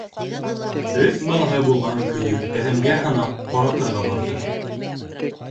Өс балаһы булған көйө. әҙәмгә һанап, һоратырға барҙы.